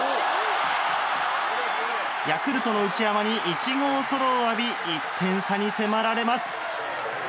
ヤクルトの内山に第１号ソロを浴び１点差に迫られます。